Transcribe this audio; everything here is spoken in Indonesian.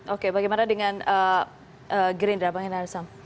oke bagaimana dengan gerindra bangin arsam